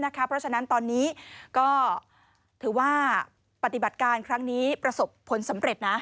เพราะฉะนั้นตอนนี้ก็ถือว่าปฏิบัติการครั้งนี้ประสบผลสำเร็จนะ